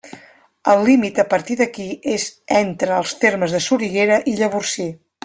El límit a partir d'aquí és entre els termes de Soriguera i Llavorsí.